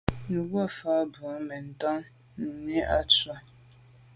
Nùgà fə̀ mfá bɔ̀ mə̀mbâ ntɔ́n Nùmí á sʉ́ á’.